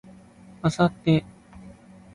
明後日